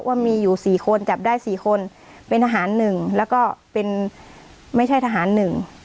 ว่ามีอยู่สี่คนจับได้สี่คนเป็นทหารหนึ่งแล้วก็เป็นไม่ใช่ทหารหนึ่ง